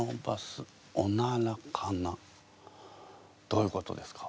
どういうことですか？